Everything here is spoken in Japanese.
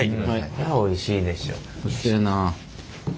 これはおいしいでしょ。